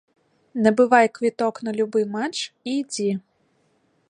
Набывай квіток на любы матч і ідзі.